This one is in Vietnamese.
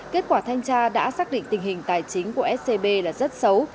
kết quả thanh tra đã xác định tình hình tài chính của scb là rất xấu